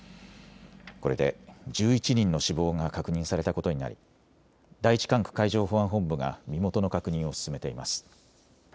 これで１１人の死亡が確認されたことになり第１管区海上保安本部が身元の確認を進めています。